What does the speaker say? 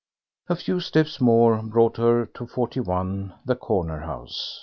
A few steps more brought her to 41, the corner house.